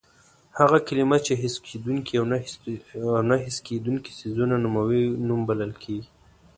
هغه کلمه چې حس کېدونکي او نه حس کېدونکي څیزونه نوموي نوم بلل کېږي.